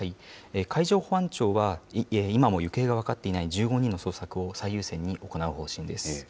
海上保安庁は、今も行方が分かっていない１５人の捜索を最優先に行う方針です。